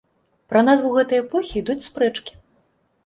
Пра назву гэтай эпохі ідуць спрэчкі.